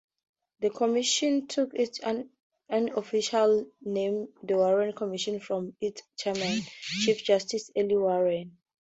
The Commission took its unofficial name-the Warren Commission-from its chairman, Chief Justice Earl Warren.